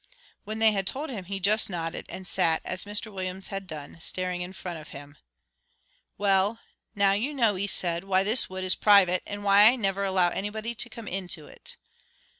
When they had told him, he just nodded, and sat, as Mr Williams had done, staring in front of him. "Well, now you know," he said, "why this wood is private, and why I never allow anybody to come into it."